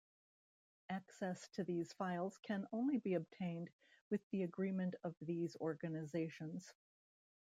Access to these files can only be obtained with the agreement of these organisations.